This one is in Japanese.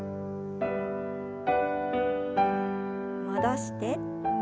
戻して。